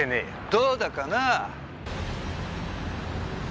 どうだかなぁ！